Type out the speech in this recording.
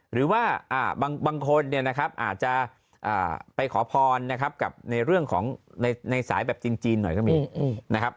หรือว่าบางคนเนี่ยนะครับอาจจะไปขอพรนะครับกับในเรื่องของในสายแบบจีนหน่อยก็มีนะครับ